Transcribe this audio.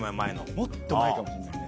もっと前かもしれないね。